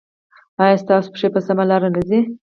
ایا ستاسو پښې په سمه لار نه ځي؟